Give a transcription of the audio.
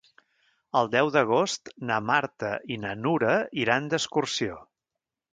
El deu d'agost na Marta i na Nura iran d'excursió.